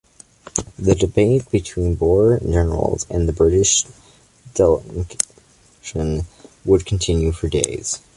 The debate between the Boer generals and British delegation would continue for days.